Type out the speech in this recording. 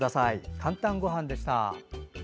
「かんたんごはん」でした。